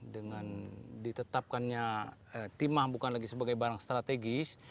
dengan ditetapkannya timah bukan lagi sebagai barang strategis